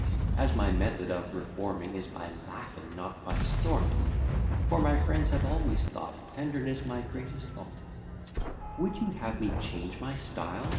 As my method of reforming, Is by laughing, not by storming, (For my friends have always thought Tenderness my greatest fault,) Would you have me change my style?